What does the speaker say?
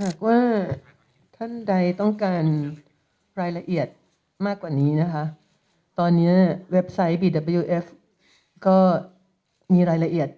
หากว่าท่านใดต้องการรายละเอียดมากกว่านี้นะคะตอนนี้เว็บไซต์บีดับยูเอฟก็มีรายละเอียด